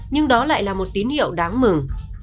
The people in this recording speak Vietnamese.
nhưng đó lại là một tín hiệu đáng mừng